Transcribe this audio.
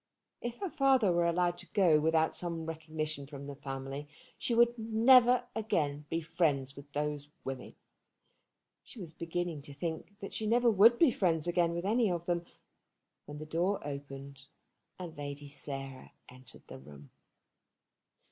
If her father were allowed to go without some recognition from the family, she would never again be friends with those women. She was beginning to think that she never would be friends again with any of them, when the door opened, and Lady Sarah entered the room.